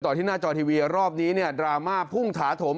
ตอนที่หน้าจอทีวีรอบนี้ดราม่าพุ่งถาโถม